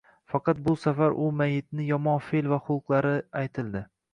Faqat bu safar u mayitni yomon fe'l va xulqlari aytildi